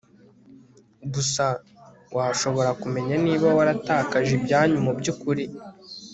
gusa washobora kumenya niba waratakaje ibyanyu mubyukuri